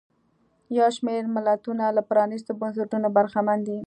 یو شمېر ملتونه له پرانیستو بنسټونو برخمن دي.